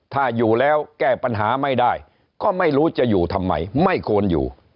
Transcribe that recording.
ถ้าอยู่แล้วแก้ปัญหาไม่ได้ก็ไม่รู้จะอยู่ทำไมไม่ควรอยู่